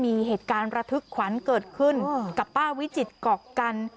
มีเหตุการณ์ระทึกขวัญเกิดขึ้นกับป้าวิจิตกอกกัน